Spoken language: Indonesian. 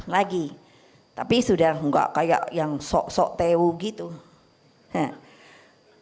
lagi tapi sudah enggak kayak yang sokso tewu gitu hehehe